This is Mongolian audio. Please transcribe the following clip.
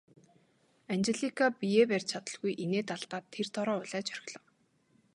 Анжелика биеэ барьж чадалгүй инээд алдаад тэр дороо улайж орхилоо.